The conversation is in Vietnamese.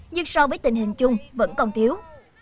nhưng so với tình hình chung vẫn còn thiếu